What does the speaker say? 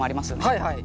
はいはい。